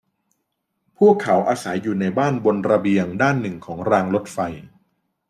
พวกเขาอาศัยอยู่ในบ้านบนระเบียงด้านหนึ่งของรางรถไฟ